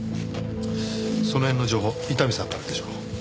その辺の情報伊丹さんからでしょう。